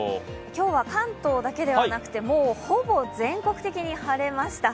今日は関東だけではなくて、ほぼ全国的に晴れました。